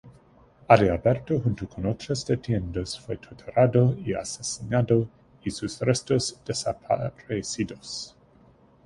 Allí Alberto, junto con otros detenidos, fue torturado y asesinado, y sus restos desaparecidos.